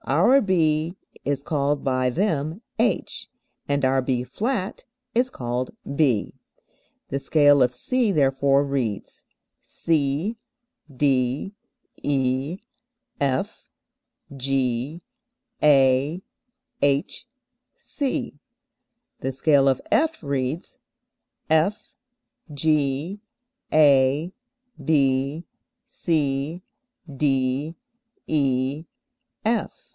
our B is called by them H, and our B[flat] is called B. The scale of C therefore reads: C, D, E, F, G, A, H, C; the scale of F reads F, G, A, B, C, D, E, F.